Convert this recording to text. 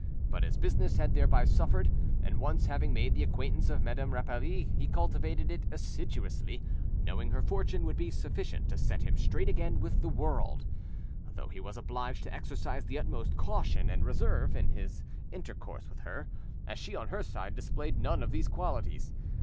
But his business had thereby suffered, and once having made the acquaintance of Madame Rapally, he cultivated it assiduously, knowing her fortune would be sufficient to set him straight again with the world, though he was obliged to exercise the utmost caution and reserve in has intercourse with her, as she on her side displayed none of these qualities.